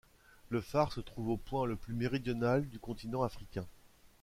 Le phare se trouve au point le plus méridional du continent africain.